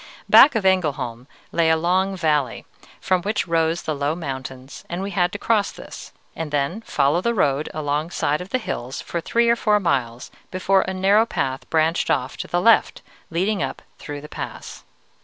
Back of Engelholm lay a long valley, from which rose the low mountains, and we had to cross this, and then follow the road along the side of the hills for three or four miles, before a narrow path branched off to the left, leading up through the pass.